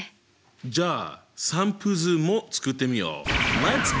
じゃあ散布図も作ってみよう！